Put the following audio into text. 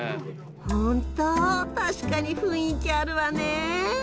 ホント確かに雰囲気あるわね。